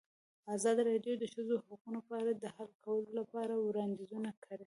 ازادي راډیو د د ښځو حقونه په اړه د حل کولو لپاره وړاندیزونه کړي.